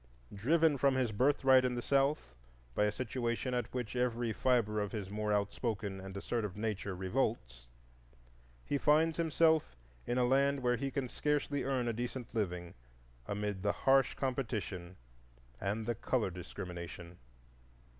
Driven from his birthright in the South by a situation at which every fibre of his more outspoken and assertive nature revolts, he finds himself in a land where he can scarcely earn a decent living amid the harsh competition and the color discrimination.